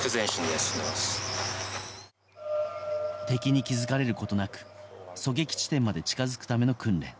敵に気づかれることなく狙撃地点まで近づくための訓練。